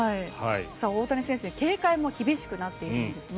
大谷選手に警戒も厳しくなっているんですね。